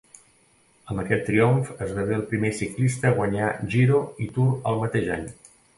Amb aquest triomf esdevé el primer ciclista a guanyar Giro i Tour el mateix any.